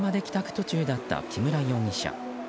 途中だった木村容疑者。